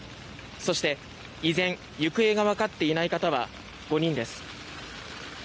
そして、依然行方がわかっていない方は５人です。